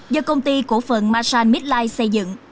do công ty cổ phần marshall midline xây dựng